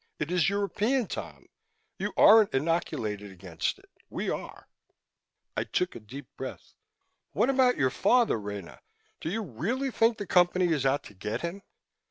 It is European, Tom. You aren't inoculated against it. We are." I took a deep breath. "What about your father, Rena? Do you really think the Company is out to get him?"